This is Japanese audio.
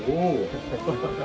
ハハハハ。